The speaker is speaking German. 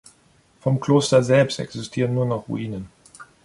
Vom Kloster selbst existieren nur noch Ruinen.